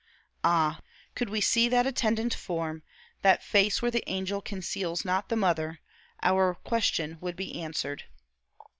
Ah! could we see that attendant form, that face where the angel conceals not the mother, our question would be answered.